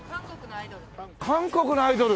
韓国のアイドル。